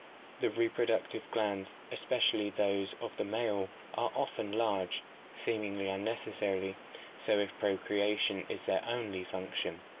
The reproductive glands, especially those of the male, are often large, seemingly unnecessarily so if procreation is their only func tion.